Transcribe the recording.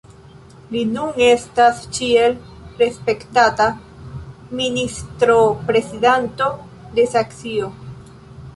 Li nun estas ĉiel respektata ministroprezidanto de Saksio.